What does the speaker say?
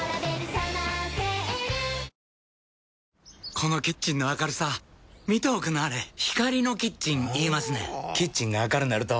このキッチンの明るさ見ておくんなはれ光のキッチン言いますねんほぉキッチンが明るなると・・・